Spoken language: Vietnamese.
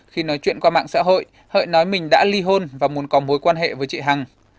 khi nói chuyện qua mạng xã hội hợi nói mình đã ly hôn và muốn có mối quan hệ với chị hằng